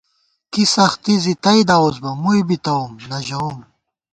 کی سختی زی تئیدارُس بہ مُوئی بی تَوُم نہ ژَوُم